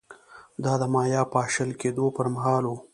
دا د مایا پاشل کېدو پرمهال و